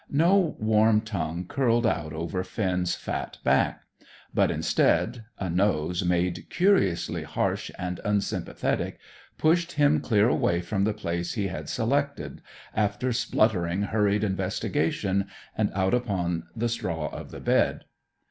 No warm tongue curled out over Finn's fat back; but, instead, a nose made curiously harsh and unsympathetic pushed him clear away from the place he had selected, after spluttering hurried investigation, and out upon the straw of the bed.